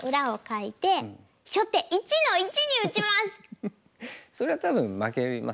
フフフフそれは多分負けますね。